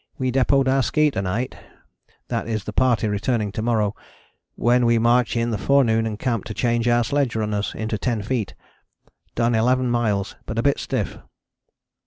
We depôted our ski to night, that is the party returning to morrow, when we march in the forenoon and camp to change our sledge runners into 10 feet. Done 11 miles but a bit stiff.